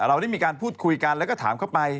เราได้มีการพูดคุยกันแล้วก็ถามเข้าไป